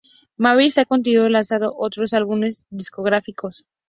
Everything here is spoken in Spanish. Mavis Hee continuó lanzando otros álbumes discográficos.